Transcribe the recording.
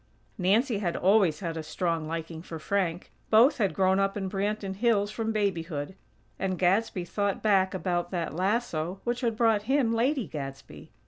Nancy had always had a strong liking for Frank. Both had grown up in Branton Hills from babyhood; and Gadsby thought back about that lasso which had brought him Lady Gadsby.